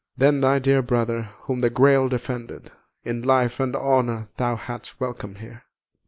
Then thy dear brother, whom the Grail defended, In life and honour thou hadst welcom'd here.